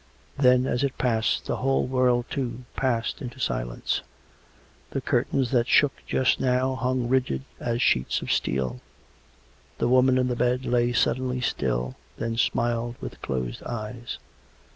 Then, as it passed, the whole world, too, passed into silence. The curtains that shook just now hung rigid as sheets^of steel; the woman in the bed lay suddenly still, then smiled with closed eyes.